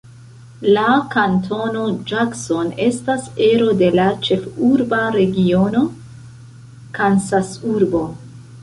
La kantono Jackson estas ero de la Ĉefurba Regiono Kansasurbo.